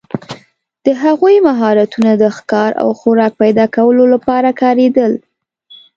د هغوی مهارتونه د ښکار او خوراک پیداکولو لپاره کارېدل.